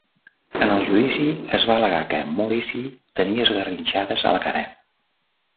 En el judici es va al·legar que Morrissey tenia esgarrinxades a la cara.